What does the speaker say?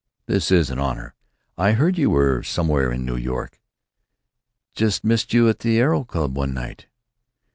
This is an honor. I heard you were somewhere in New York. Just missed you at the Aero Club one night.